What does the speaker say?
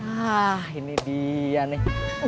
ah ini dia nih